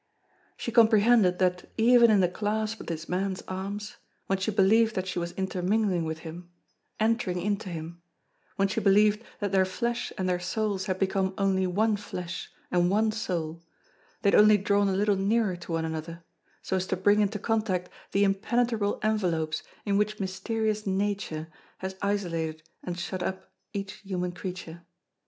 She comprehended that even in the clasp of this man's arms, when she believed that she was intermingling with him, entering into him, when she believed that their flesh and their souls had become only one flesh and one soul, they had only drawn a little nearer to one another, so as to bring into contact the impenetrable envelopes in which mysterious nature has isolated and shut up each human creature.